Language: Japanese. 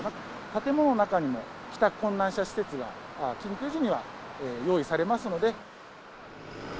建物の中にも帰宅困難者施設が、緊急時には用意されますので。